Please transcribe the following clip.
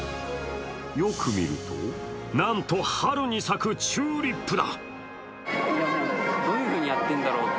よく見ると、なんと春に咲くチューリップだ！